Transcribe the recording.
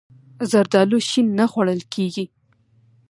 زردالو شین نه خوړل کېږي.